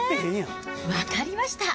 分かりました。